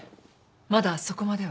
まだそこまでは。